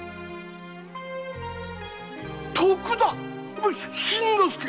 徳田新之助！